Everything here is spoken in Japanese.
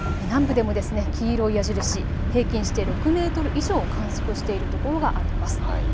南部でも黄色い矢印、平均して６メートル以上を観測しているところがあります。